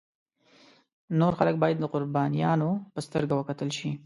نور خلک باید د قربانیانو په سترګه وکتل شي.